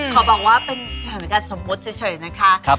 ขอบอกว่าเป็นสถานการณ์สมมุติเฉยนะคะ